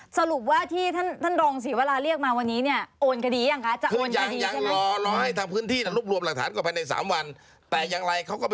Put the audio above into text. สรุปว่าที่ท่านรองศรีเวลาเรียกมาวันนี้